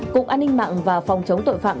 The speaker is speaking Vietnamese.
cục an ninh mạng và phòng chống tội phạm